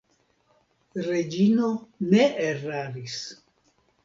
Reĝino ne eraris.